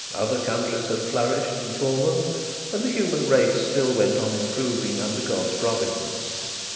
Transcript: Other countries had flourished and fallen, and the human race still went on improving under God's providence.